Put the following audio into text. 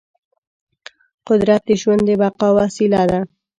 قدرت د ژوند د بقا وسیله ده.